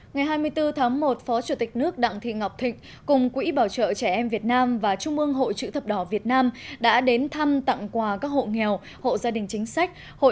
ngày hai mươi bốn tháng một phó chủ tịch nước đặng thị ngọc thịnh cùng quỹ bảo trợ trẻ em việt nam và trung ương hội chữ thập đỏ việt nam đã đến thăm tặng quà các hộ nghèo hộ gia đình chính sách